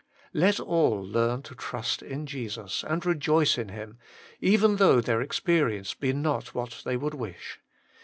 Let all learn to trust in Jesus, and rejoice in Him, even though their experience be not what they would wish.